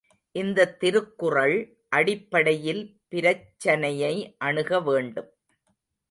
இந்தத் திருக்குறள் அடிப்படையில் பிரச்சனையை அணுக வேண்டும்.